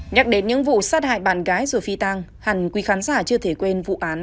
nhắc đến những vụ sát hại bạn gái rồi phi tăng hẳn quý khán giả chưa thể quên vụ án